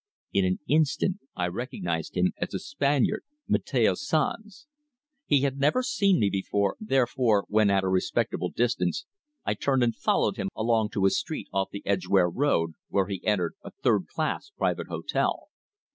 In an instant I recognized him as the Spaniard, Mateo Sanz! He had never seen me before, therefore, when at a respectable distance, I turned and followed him along to a street off the Edgware Road, where he entered a third class private hotel.